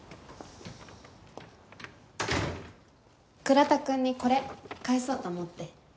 倉田くんにこれ返そうと思って。